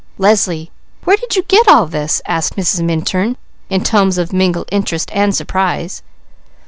"Leslie, where did you get all this?" asked Mrs. Minturn in tones of mingled interest and surprise.